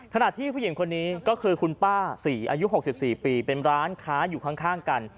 ขณะที่ผู้หญิงคนนี้ก็คือคุณป้าศรีอายุ๖๔ปีเป็นร้านค้าอยู่ข้างกัน